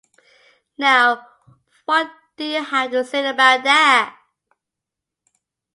Now what do you have to say about that?